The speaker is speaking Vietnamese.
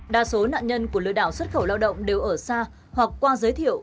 đa số nạn nhân của lừa đảo xuất khẩu lao động đều ở xa hoặc qua giới thiệu